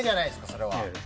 それは。